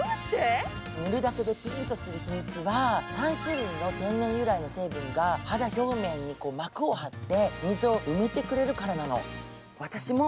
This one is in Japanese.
塗るだけでピーンとする秘密は２種類の天然由来の成分が肌表面に膜を張って、溝を埋めてくれるからなの。